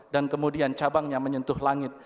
dan kemudian cabangnya menyentuh langit